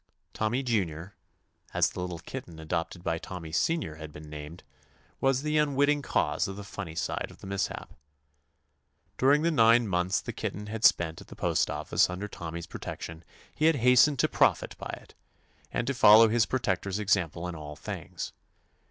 Tommy Junior, as the little kitten adopted by Tommy Senior had been named, was the unwitting cause of the funny side of the mishap. During the nine months the kitten had spent at the 188 TOMMY POSTOFFICE postoffice under Tommy's protec tion he had hastened to profit by it, and to follow his protector's example in all things.